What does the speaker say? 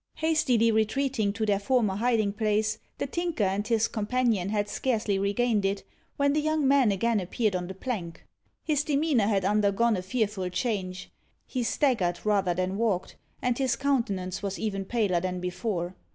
Hastily retreating to their former hiding place, the Tinker and his companion had scarcely regained it, when the young man again appeared on the plank. His demeanour had undergone a fearful change. He staggered rather than walked, and his countenance was even paler than before.